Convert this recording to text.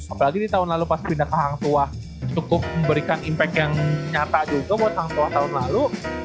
apalagi di tahun lalu pas pindah ke hangtua cukup memberikan impact yang nyata juga buat hangtua tahun lalu